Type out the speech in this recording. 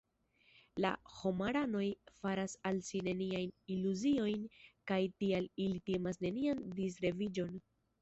La homaranoj faras al si neniajn iluziojn kaj tial ili timas nenian disreviĝon.